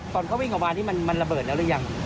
ตอนเขาบิอิงออกมานี่มันระเบิดแล้วยัง